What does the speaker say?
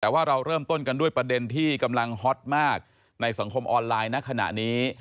แต่ว่าเราเริ่มต้นกันด้วยประเด็นที่กำลังฮอตมากในสังคมออนไลน์ณขณะนี้